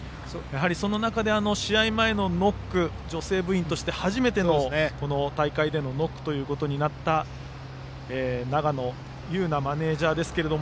その中で試合前女性部員として初めての大会でのノックとなった永野悠菜マネージャーですが。